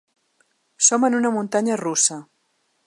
Som en una muntanya russa.